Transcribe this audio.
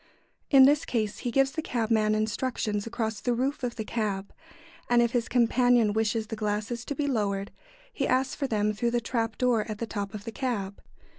In this case he gives the cabman instructions across the roof of the cab, and if his companion wishes the glasses to be lowered, he asks for them through the trap door at the top of the cab.